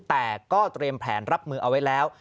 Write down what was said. แต่ก็เตรียมแผนรับมือเอาไว้แล้ว